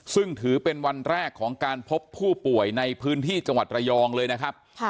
ซึ่งถือเป็นวันแรกของการพบผู้ป่วยในพื้นที่จังหวัดระยองเลยนะครับ